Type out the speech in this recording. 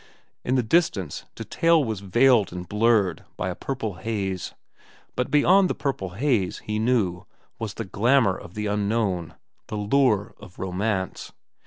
In the distance, detail was veiled and blurred by a purple haze, but behind this purple haze, he knew, was the glamour of the unknown, the lure of romance.